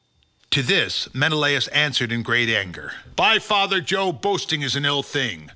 To this Menelaus answered in great anger "By father Jove, boasting is an ill thing.